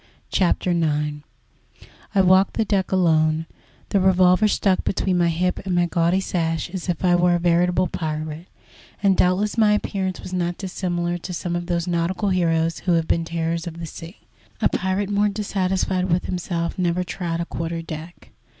CHAPTER IX I walked the deck alone, the revolver stuck between my hip and my gaudy sash, as if I were a veritable pirate, and doubtless my appearance was not dissimilar to some of those nautical heroes who have been terrors of the sea. A pirate more dissatisfied with himself never trod a quarter deck.